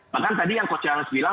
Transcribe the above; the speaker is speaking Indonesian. bahkan tadi yang coach charles bilang